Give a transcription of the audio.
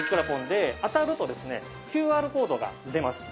で当たるとＱＲコードが出ます